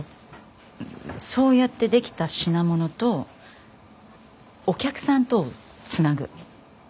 そうやって出来た品物とお客さんとをつなぐ。